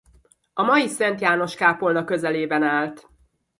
A mai Szent János kápolna közelében állt.